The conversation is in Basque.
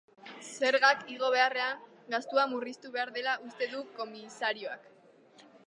Zergak igo beharrean gastua murriztu behar dela uste du komisarioak.